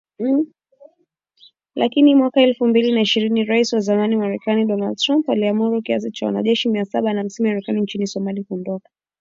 Lakini mwaka elfu mbili na ishirini Rais wa zamani Marekani Donald Trump aliamuru kiasi cha wanajeshi mia saba na hamsini wa Marekani nchini Somalia kuondoka.